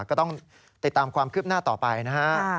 ก็ต้องติดตามความคืบหน้าต่อไปนะฮะ